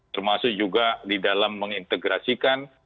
termasuk juga di dalam mengintegrasikan